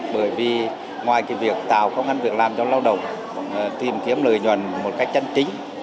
bởi vì ngoài việc tạo công an việc làm cho lao động tìm kiếm lợi nhuận một cách chân chính